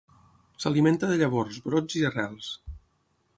S'alimenta de llavors, brots i arrels.